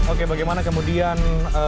oke bagaimana kemudian